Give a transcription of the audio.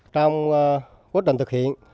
trong quá trình thực hiện